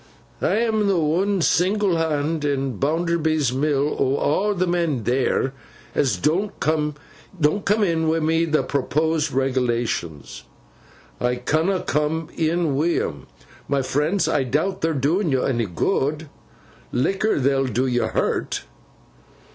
'I'm th' one single Hand in Bounderby's mill, o' a' the men theer, as don't coom in wi' th' proposed reg'lations. I canna coom in wi' 'em. My friends, I doubt their doin' yo onny good. Licker they'll do yo hurt.